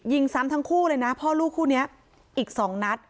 ยิงซ้ำทั้งคู่เลยนะพ่อลูกคู่นี้อีก๒นัด